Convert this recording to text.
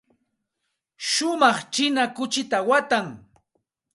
Shumaq china kuchita watan.